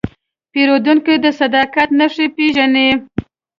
پیرودونکی د صداقت نښې پېژني.